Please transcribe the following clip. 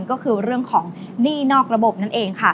ก็คือเรื่องของหนี้นอกระบบนั่นเองค่ะ